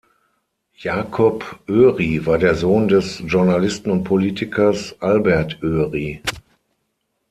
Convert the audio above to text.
Jakob Oeri war der Sohn des Journalisten und Politikers Albert Oeri.